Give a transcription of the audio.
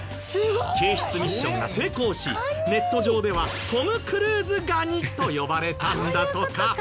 すごい！救出ミッションが成功しネット上ではトム・クルーズガニと呼ばれたんだとか。